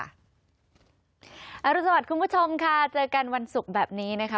รุสวัสดิ์คุณผู้ชมค่ะเจอกันวันศุกร์แบบนี้นะคะ